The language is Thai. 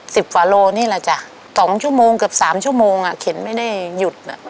สิบกว่าโลนี่แหละจ้ะสองชั่วโมงเกือบสามชั่วโมงอ่ะเข็นไม่ได้หยุดน่ะ